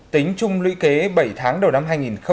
tính chung lũy kế bảy tháng đầu năm hai nghìn một mươi sáu